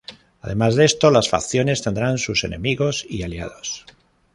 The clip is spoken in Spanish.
Además de esto, las facciones tendrán sus "enemigos" y "aliados".